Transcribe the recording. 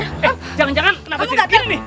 eh jangan jangan kenapa jadi begini